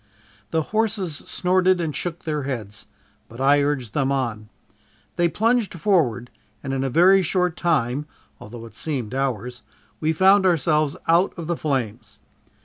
The horses snorted and shook their heads, but I urged them on. They plunged forward and in a very short time (although it seemed hours) we found ourselves out of the flames.